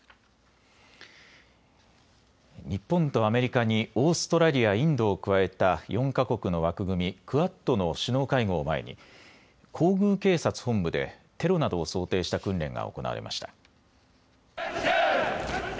日本とアメリカにオーストラリア、インドを加えた４か国の枠組み、クアッドの首脳会合を前に皇宮警察本部でテロなどを想定した訓練が行われました。